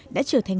đã trở thành